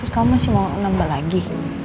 kamu masih mau nambah lagi